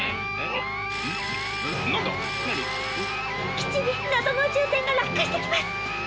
基地に謎の宇宙船が落下してきます！